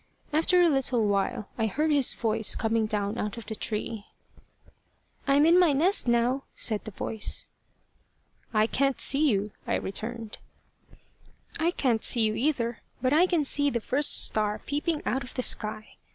After a little while, I heard his voice coming down out of the tree. "I am in my nest now," said the voice. "I can't see you," I returned. "I can't see you either, but I can see the first star peeping out of the sky.